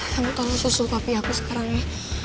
kamu tolong susul papi aku sekarang ya